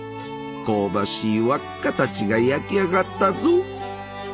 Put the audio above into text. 香ばしい輪っかたちが焼き上がったぞ！